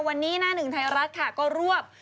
วันนี้หน้าหนึ่งไทยรัฐค่ะก็รวบ